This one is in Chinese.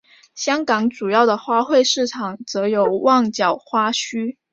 香港主要的花卉市场则有旺角花墟。